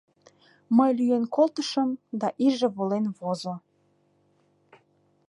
Мый лӱен колтышым, да иже волен возо.